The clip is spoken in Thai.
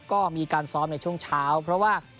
ก็มีการซ้อมในช่วงเช้าเพราะว่า